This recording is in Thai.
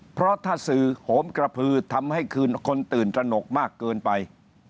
เพราะถ้าสื่อโหมกระพือทำให้คนตื่นตระหนกมากเกินไป